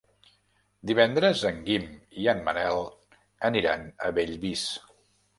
Divendres en Guim i en Manel aniran a Bellvís.